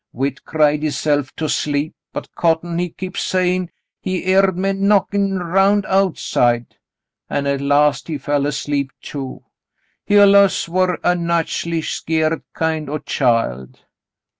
Whit cried hisself to sleep, but Cotton he kep' sayin' he heered men knockin' 'round outside, an' at last he fell asleep, too. He alluz war a natch'ly skeered kind o' child.